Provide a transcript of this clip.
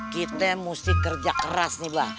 kita mesti kerja keras nih bang